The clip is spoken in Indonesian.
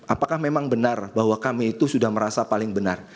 apakah memang benar bahwa kami itu sudah merasa paling benar